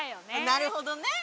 なるほどね。